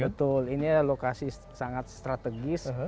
betul ini adalah lokasi sangat strategis